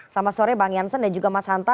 sama sore bang janssen dan juga mas hanta